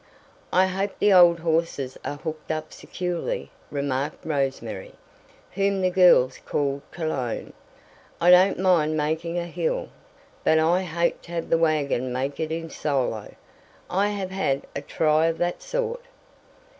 "I hope the old horses are hooked up securely," remarked Rose Mary, whom the girls called Cologne. "I don't mind making a hill, but I hate to have the wagon make it in solo. I have had a try of that sort."